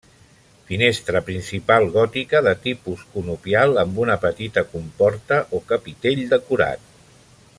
Finestra principal gòtica, de tipus conopial, amb una petita comporta o capitell decorat.